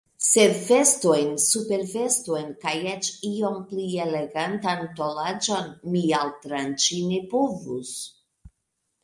Sed vestojn, supervestojn kaj eĉ iom pli elegantan tolaĵon mi altranĉi ne povus.